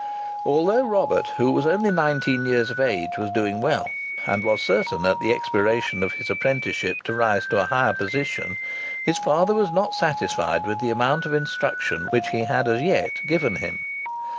Although Robert, who was only nineteen years of age, was doing well, and was certain at the expiration of his apprenticeship to rise to a higher position, his father was not satisfied with the amount of instruction which he had as yet given him.